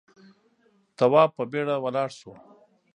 تواب په بيړه ولاړ شو.